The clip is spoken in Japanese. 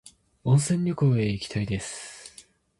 温泉旅行へ行きたいです。